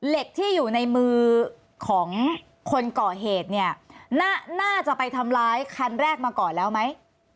เหล็กที่อยู่ในมือของคนก่อเหตุเนี่ยน่าจะไปทำร้ายคันแรกมาก่อนแล้วไหม